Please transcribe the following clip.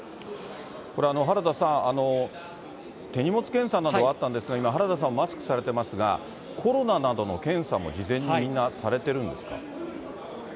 これ、原田さん、手荷物検査などあったんですが、今、原田さんマスクされてますが、コロナなどの検査も事前にみんなされてるんですか？